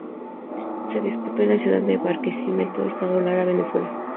Se disputó en la ciudad de Barquisimeto, Estado Lara, Venezuela.